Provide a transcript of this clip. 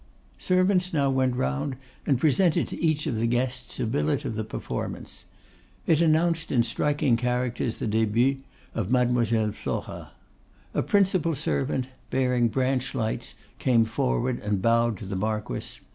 Servants now went round and presented to each of the guests a billet of the performance. It announced in striking characters the début of Mademoiselle Flora. A principal servant, bearing branch lights, came forward and bowed to the Marquess.